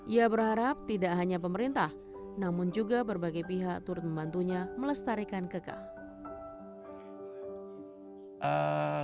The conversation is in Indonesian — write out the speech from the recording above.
ia berharap tidak hanya pemerintah namun juga berbagai pihak turut membantunya melestarikan kekaya